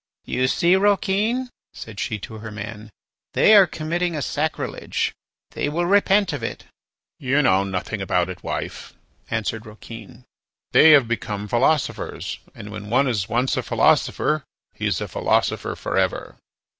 "You see, Rouquin," said she to her man, "they are committing a sacrilege. They will repent of it." "You know nothing about it, wife," answered Rouquin; "they, have become philosophers, and when one is once a philosopher he is a philosopher for ever."